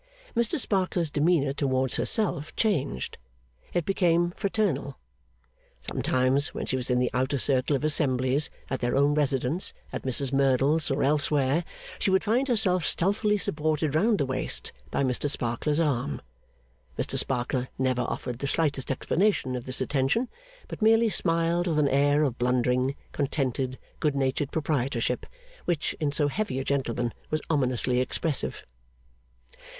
Mr Sparkler's demeanour towards herself changed. It became fraternal. Sometimes, when she was in the outer circle of assemblies at their own residence, at Mrs Merdle's, or elsewhere she would find herself stealthily supported round the waist by Mr Sparkler's arm. Mr Sparkler never offered the slightest explanation of this attention; but merely smiled with an air of blundering, contented, good natured proprietorship, which, in so heavy a gentleman, was ominously expressive.